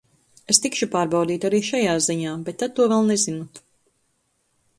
Es tikšu pārbaudīta arī šajā ziņā, bet tad to vēl nezinu.